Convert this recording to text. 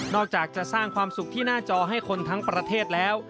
อกจากจะสร้างความสุขที่หน้าจอให้คนทั้งประเทศแล้ว